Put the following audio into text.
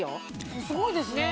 すごいですね。